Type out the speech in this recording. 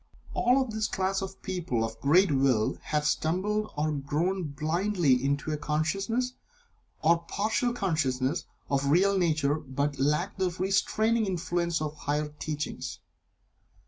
All of this class of people of great Will have stumbled or grown blindly into a consciousness (or partial consciousness) of the real nature, but lack the restraining influence of the higher teachings.